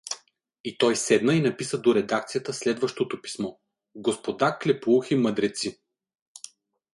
И той седна и написа до редакцията следващето писмо: „Господа клепоухи мъдреци!“